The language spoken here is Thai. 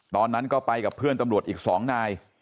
ตอนนั้นก็ไปกับเพื่อนตำรวจอีก๒นาย